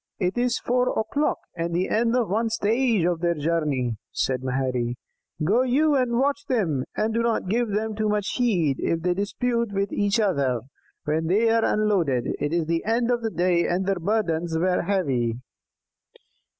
"It is four o'clock, and the end of one stage of their journey," said Maherry. "Go you and watch them; and do not give too much heed if they dispute with each other when they are unloaded. It is the end of the day, and their burdens were heavy."